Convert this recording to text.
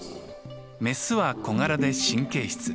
メスは小柄で神経質。